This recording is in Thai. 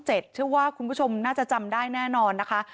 เชื่อว่าคุณผู้ชมน่าจะจำได้แน่นอนนะคะ